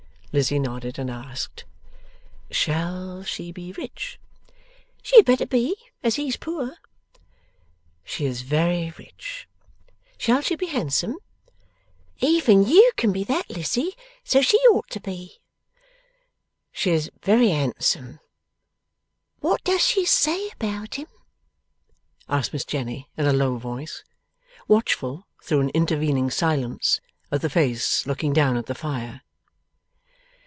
Lizzie nodded, and asked, 'Shall she be rich?' 'She had better be, as he's poor.' 'She is very rich. Shall she be handsome?' 'Even you can be that, Lizzie, so she ought to be.' 'She is very handsome.' 'What does she say about him?' asked Miss Jenny, in a low voice: watchful, through an intervening silence, of the face looking down at the fire.